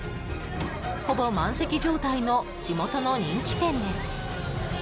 ほぼ満席状態の地元の人気店です。